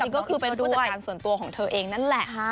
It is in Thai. ก็คือเป็นผู้จัดการส่วนตัวของเธอเองนั่นแหละ